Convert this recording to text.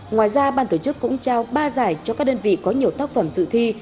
ngoài ra ban tổ chức cũng trao ba giải cho các đơn vị có nhiều tác phẩm dự thi